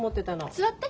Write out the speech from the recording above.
座って。